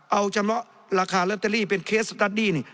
เอาจำนวนราคาลัตเตอรี่เป็นเคสสตัดดี้นี่